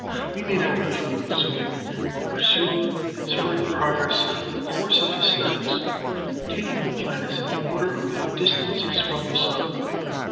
We may now briefly resume, and pursue in its further progress, the course of his studies, taking the planets in the order of their distances from the sun.